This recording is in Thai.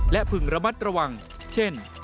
และพึงระมัดระวังเช่น